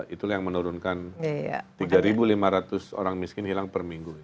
itu yang menurunkan tiga lima ratus orang miskin hilang per minggu